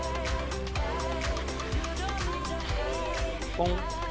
ポン！